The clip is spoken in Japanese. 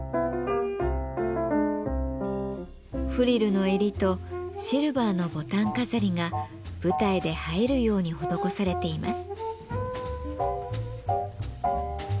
フリルの襟とシルバーのボタン飾りが舞台で映えるように施されています。